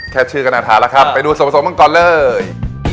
แค่ชื่อกรณฑาแล้วครับไปดูสมบัติของมันก่อนเลย